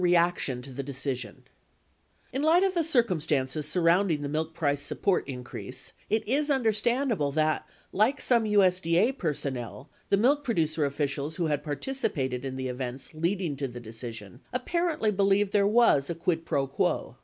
MILK PRODUCER REACTION TO THE DECISION In light of the circumstances surrounding the milk price support increase, it is understandable that, like some USD A personnel, the milk producer officials who had participated in the events leading to the decision apparently believed there was a quid pro quo.